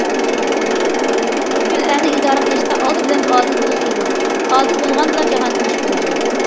‹‹ پۈتكۈل ئەلنى ئىدارە قىلىشتا ئالدى بىلەن ئادىل بولۇش زۆرۈر، ئادىل بولغاندىلا جاھان تىنچ بولىدۇ››.